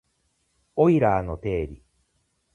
オイラーの定理